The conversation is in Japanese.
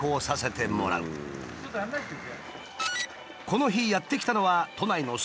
この日やって来たのは何だろう？